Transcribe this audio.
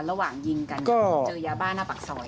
ระหว่างยิงกันก็เจอยาบ้าหน้าปากซอย